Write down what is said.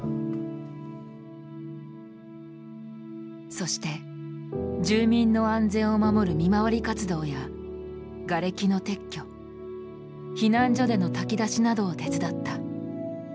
そして住民の安全を守る見回り活動やがれきの撤去避難所での炊き出しなどを手伝った。